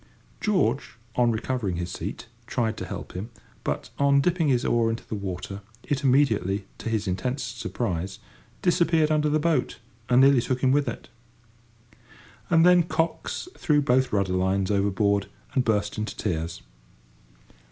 George, on recovering his seat, tried to help him, but, on dipping his oar into the water, it immediately, to his intense surprise, disappeared under the boat, and nearly took him with it. And then "cox" threw both rudder lines over board, and burst into tears.